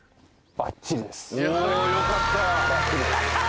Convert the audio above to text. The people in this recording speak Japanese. バッチリです。